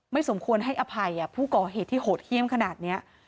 ไม่สมควรให้อภัยอ่ะผู้ก่อเหตุที่โหดเขี้ยมขนาดเนี้ย